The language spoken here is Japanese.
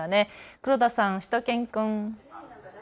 黒田さん、しゅと犬くん。